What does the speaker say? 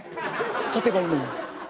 勝てばいいのに。